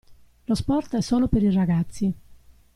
Lo sport è solo per i ragazzi.